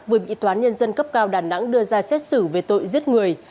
vừa bị toán nhân dân cấp cao đà nẵng đưa ra xét xử về tội giết người